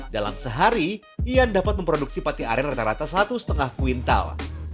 dalam sehari ian dapat memproduksi pate aren rata rata satu lima kuintal